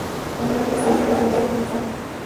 Pasó la guerra civil en el frente republicano.